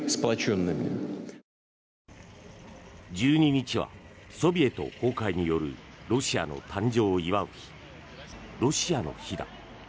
１２日はソビエト崩壊によるロシアの誕生を祝う日ロシアの日だ。